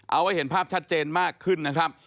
เอาให้เห็นภาพชัดเจนมากขึ้นนะครับ